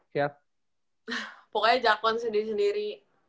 pokoknya jakon sendiri sendiri